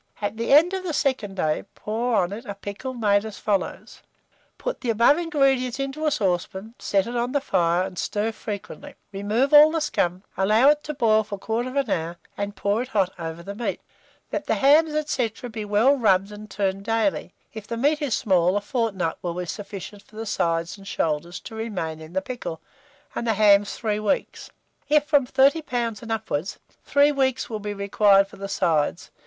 At the end of the second day, pour on it a pickle made as follows: Put the above ingredients into a saucepan, set it on the fire, and stir frequently; remove all the scum, allow it to boil for 1/4 hour, and pour it hot over the meat. Let the hams, &c., be well rubbed and turned daily; if the meat is small, a fortnight will be sufficient for the sides and shoulders to remain in the pickle, and the hams 3 weeks; if from 30 lbs. and upwards, 3 weeks will be required for the sides, &c.